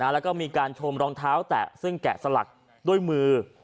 แล้วก็มีการชมรองเท้าแตะซึ่งแกะสลักด้วยมือ